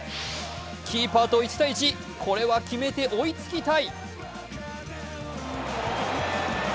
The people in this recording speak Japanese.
キーパーと１対１これは決めて追いつきたい。